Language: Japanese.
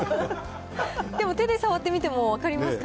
でも手で触ってみても分かりますか？